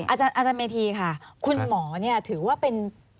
อาจารย์เมธีค่ะคุณหมอเนี่ยถือว่าเป็น